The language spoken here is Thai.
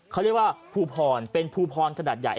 เขาเรียกว่าภูพรเป็นภูพรขนาดใหญ่